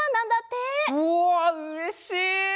うわうれしい！